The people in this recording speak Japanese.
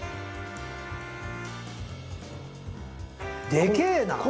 でけえな！